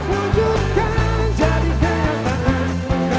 wujudkan jadikan yang tahan